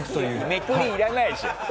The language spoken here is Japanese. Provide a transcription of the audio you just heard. めくりいらないでしょ！